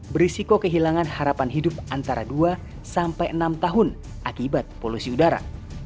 berisiko kehilangan harapan hidup antara dua sampai enam tahun akibat polusi udara